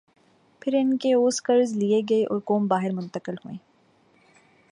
پھر ان کے عوض قرض لئے گئے اوررقوم باہر منتقل ہوئیں۔